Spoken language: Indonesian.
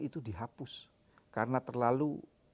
itu dihapus karena terlalu